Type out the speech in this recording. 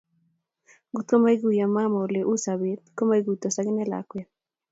Ngotko maikuiyo mama Ole u sobet, komoikuitos akine lakwet